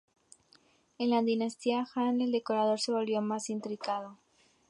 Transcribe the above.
En la Dinastía Han el decorado se volvió más intrincado.